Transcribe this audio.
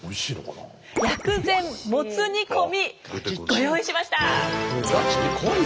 薬膳モツ煮込みご用意しました。